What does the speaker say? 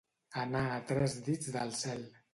Anar a tres dits del cel.